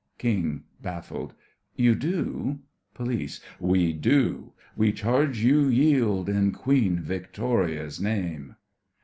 KING: (baffled) You do? POLICE: We do! We charge you yield, In Queen Victoria's name!